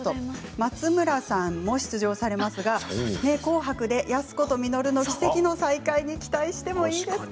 松村さんも出場されますが「紅白」で安子と稔の奇跡の再会に期待してもいいですか？